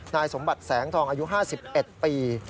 นายสมบัติแสงทองอายุ๕๑ปี